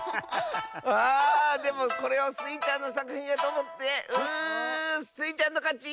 あでもこれをスイちゃんのさくひんやとおもってうスイちゃんのかち！